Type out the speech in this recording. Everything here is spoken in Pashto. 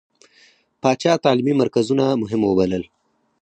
پاچا تعليمي مرکزونه مهم ووبلل.